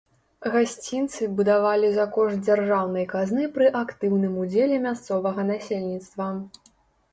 Гасцінцы будавалі за кошт дзяржаўнай казны пры актыўным удзеле мясцовага насельніцтва.